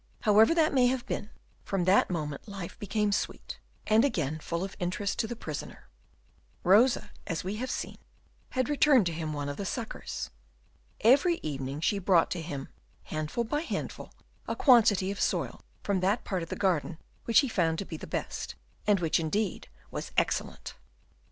However that may have been, from that moment life became sweet, and again full of interest to the prisoner. Rosa, as we have seen, had returned to him one of the suckers. Every evening she brought to him, handful by handful, a quantity of soil from that part of the garden which he had found to be the best, and which, indeed, was excellent.